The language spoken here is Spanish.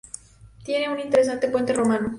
Tiene un interesante puente romano.